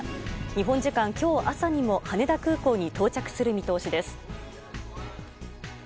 日本時間今日朝にも羽田空港に到着する見通しです。